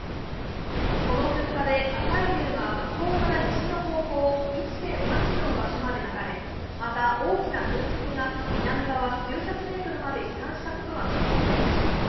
この噴火で火砕流が火口から西の方向、１．３ｋｍの場所まで流れまた、大きな噴石が南側９００ｍまで飛散したことが確認されました。